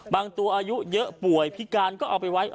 ตัวอายุเยอะป่วยพิการก็เอาไปไว้